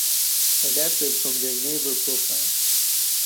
Adapted from their Naver Profile.